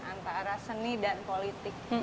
antara seni dan politik